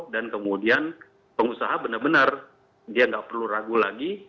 dan kemudian pengusaha benar benar dia nggak perlu ragu lagi